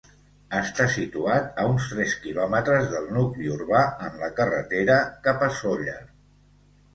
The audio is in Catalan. Està situat a uns tres quilòmetres del nucli urbà en la carretera cap a Sóller.